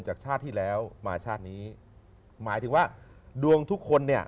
จากชาติที่แล้วมาชาตินี้หมายถึงว่าดวงทุกคนเนี่ย